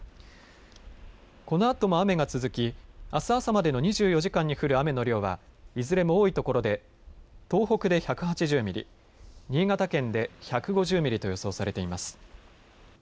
このあとも雨が続きあす朝までの２４時間に降る雨の量はいずれも多いところで東北で１８０ミリ新潟県で１５０ミリと予想されています。